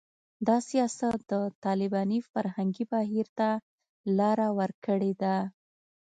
دا سیاست د طالباني فرهنګي بهیر ته لاره ورکړې ده